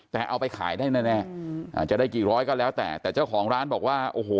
แต่เอาไปขายได้แน่แน่จะได้กี่ร้อยก็แล้วแต่แต่เจ้าของร้านบอกว่าโอ้โห